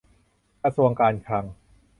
กระทรวงการคลัง